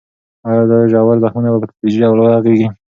دا ژور زخمونه به په تدریجي ډول ورغېږي.